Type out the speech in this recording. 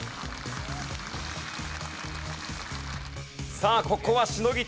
さあここはしのぎたい